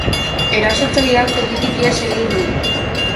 Erasotzaileak tokitik ihes egin du.